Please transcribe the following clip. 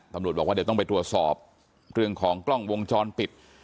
ตำรวจบอกว่าเดี๋ยวต้องไปตรวจสอบเรื่องของกล้องวงจรปิด